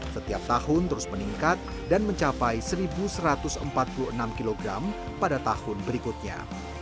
setiap tahun terus meningkat dan mencapai satu satu ratus empat puluh enam kg pada tahun berikutnya